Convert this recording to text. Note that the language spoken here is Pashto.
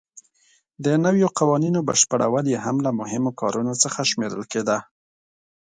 د نویو قوانینو بشپړول یې هم له مهمو کارونو څخه شمېرل کېده.